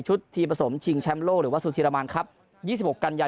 ชุดที่ผสมชิงแชมโลหรือว่าสุธิรมันครับยี่สิบหกกันยา